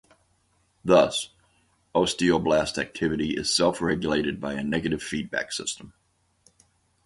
Thus, osteoblast activity is self regulated by a negative feedback system.